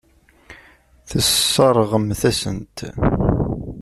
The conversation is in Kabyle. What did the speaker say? Tesseṛɣemt-asen-t.